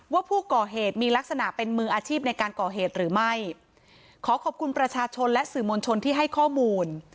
ว่าผู้ก่อเหตุมีลักษณะเป็นมืออาชีพในการก่อเหตุหรือไม่ขอขอบคุณประชาชนและสื่อมวลชนที่ให้ข้อมูล